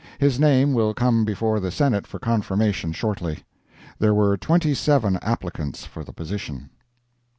His name will come before the Senate for confirmation shortly. There were twenty seven applicants for the position.